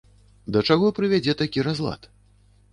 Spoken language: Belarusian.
Да чаго прывядзе такі разлад?